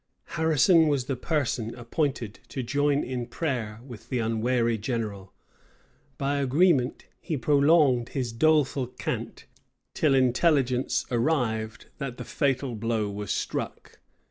Harrison was the person appointed to join in prayer with the unwary general. By agreement, he prolonged his doleful cant till intelligence arrived, that the fatal blow was struck.